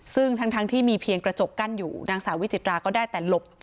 ซึ่งทั้งที่มีเพียงกระจกกั้นอยู่นางสาววิจิตราก็ได้แต่หลบ